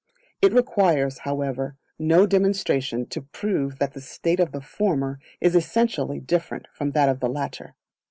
It requires, however, no demonstration to prove that the state of the former is essentially different from that of the latter.